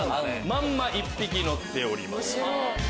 まんま１匹のっております。